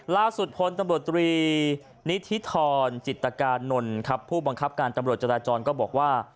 ล่าสุดพลตำรวจตรีนิธิธรจิตกานนท์ครับผู้บังคับการตำรวจจราจรก็บอกว่า